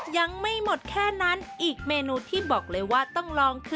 ยังไม่หมดแค่นั้น